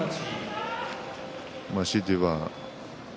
強いて言えば翠